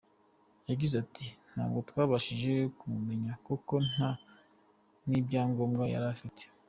Yagize ati “Ntabwo twabashije kumumenya kuko nta n’ibyangombwa yari afite.